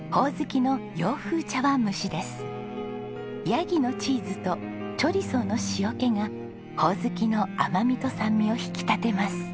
ヤギのチーズとチョリソーの塩気がホオズキの甘みと酸味を引き立てます。